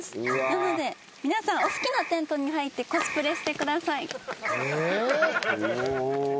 なので皆さんお好きなテントに入ってコスプレしてください。